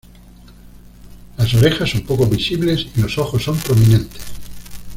Las orejas son poco visibles, y los ojos son prominentes.